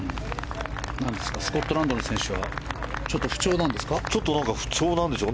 スコットランドの選手は不調なんですか？